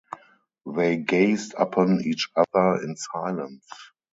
They gazed upon each other in silence.